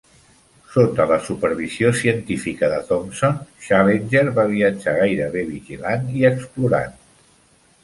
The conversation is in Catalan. Sota la supervisió científica de Thomson, Challenger va viatjar gairebé vigilant i explorant.